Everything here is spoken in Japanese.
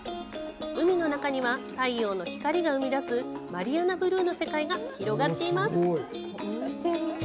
海の中には、太陽の光が生み出すマリアナブルーの世界が広がっています。